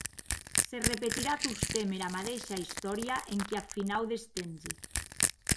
Se repetirà tostemp era madeisha istòria enquiath finau des tempsi.